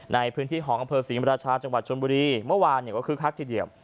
ในพื้นที่ของอำเภอศรีมราชาจังหวัดชนบุรีเมื่อวานก็คึกคักทีเดียว